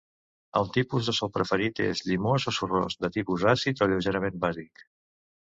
El tipus de sol preferit és llimós o sorrós, de tipus àcid a lleugerament bàsic.